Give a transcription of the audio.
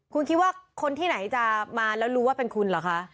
คุณคิดว่าคนที่ไหนจะมาแล้วรู้ว่าเป็นคุณเหรอคะ